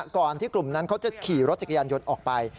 ก่อนที่กลุ่มนั้นเขาจะขี่รถจักรยานยนต์ออกไป